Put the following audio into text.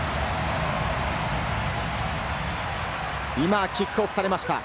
今、キックオフされました。